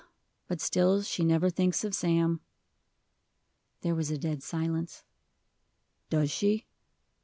but still she never thinks of Sam." There was a dead silence. "Does she?"